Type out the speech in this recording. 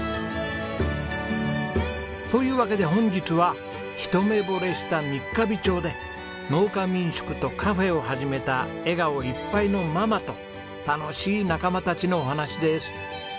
というわけで本日は一目ぼれした三ヶ日町で農家民宿とカフェを始めた笑顔いっぱいのママと楽しい仲間たちのお話です。